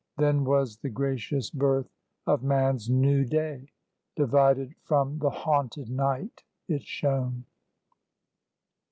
Then was the gracious birth of man's new day; Divided from the haunted night it shone.